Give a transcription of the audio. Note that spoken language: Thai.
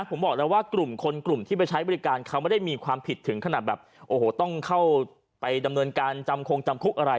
ผมบอกแล้วว่ากลุ่มคนกลุ่มที่ไปใช้บริการเขาไม่ได้มีความผิดถึงขนาดแบบโอ้โหต้องเข้าไปดำเนินการจำคงจำคุกอะไร